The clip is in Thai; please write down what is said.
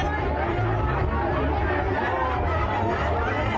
นะคะ